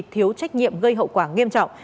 thiếu trách nhiệm gây hậu quả nghiêm trọng